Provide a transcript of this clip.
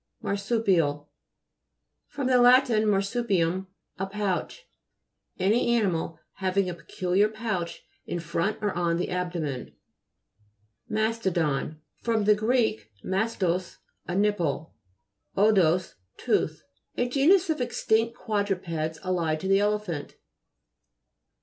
MAHSU'PIAL fr. lat. marsupium, a pouch. Any animal having a pe culiar pouch in front or on the ab domen. MA'STODON fr. gr. mastos, a nipple, odous, tooth. A genus of extinct quadrupeds allied to the elephant.